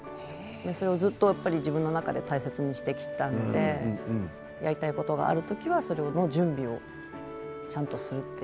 それをずっと自分の中で大切にしてきたのでやりたいことがある時はそれの準備をちゃんとすると。